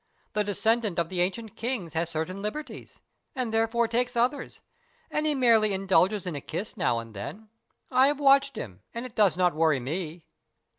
The descendant of the ancient kings has certain liberties, and therefore takes others, and he merely indulges in a kiss now and then. I have watched him, and it does not worry me."